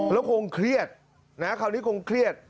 แล้วคงเครียดนะคราวนี้คงเครียด